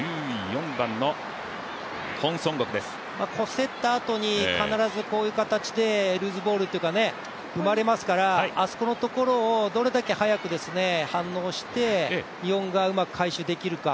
せったあとに、必ずこういう形でルーズボールが生まれますから、あそこのところをどれだけ早く反応して、日本がうまく回収できるか。